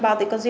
như tôi đã nói